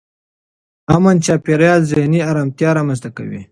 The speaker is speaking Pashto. امن چاپېریال ذهني ارامتیا رامنځته کوي.